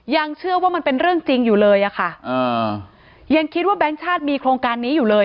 ยังเชื่อว่ามันเป็นเรื่องจริงอยู่เลยอะค่ะอ่ายังคิดว่าแบงค์ชาติมีโครงการนี้อยู่เลย